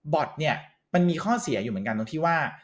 อดเนี่ยมันมีข้อเสียอยู่เหมือนกันตรงที่ว่า